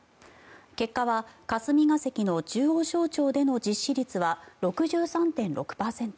結果は霞が関の中央省庁での実施率は６３．６％。